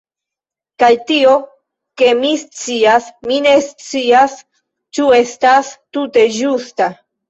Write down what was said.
Kaj tio ke mi scias, mi ne scias ĉu estas tute ĝusta..